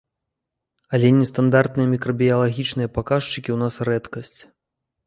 Але нестандартныя мікрабіялагічныя паказчыкі ў нас рэдкасць.